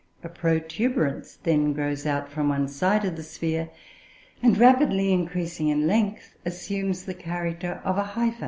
A protuberance then grows out from one side of the sphere, and rapidly increasing in length, assumes the character of a hypha.